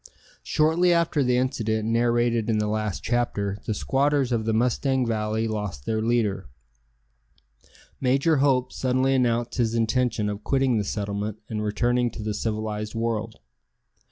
Shortly after the incident narrated in the last chapter the squatters of the Mustang Valley lost their leader. Major Hope suddenly announced his intention of quitting the settlement and returning to the civilized world.